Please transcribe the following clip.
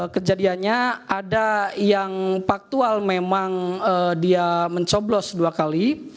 kejadiannya ada yang faktual memang dia mencoblos dua kali